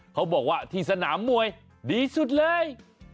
เขาบอกว่าที่สนามมวยดีสุดเลย